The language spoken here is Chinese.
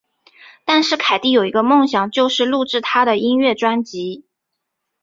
但是凯蒂有个梦想就是录制她的音乐专辑。